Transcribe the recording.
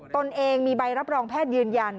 ตนเองมีใบรับรองแพทย์ยืนยัน